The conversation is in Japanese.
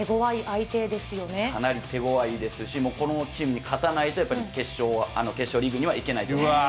かなり手ごわいですし、このチームに勝たないと、やっぱり決勝リーグには行けないと思います。